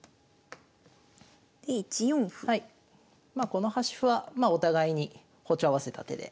この端歩はまあお互いに歩調合わせた手で。